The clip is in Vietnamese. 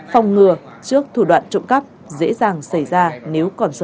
phòng ngừa trước thủ đoạn trộm cắp dễ dàng xảy ra nếu còn sơ hở